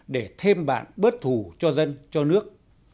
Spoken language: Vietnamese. để thêm bạn bớt thù cho dân cho nước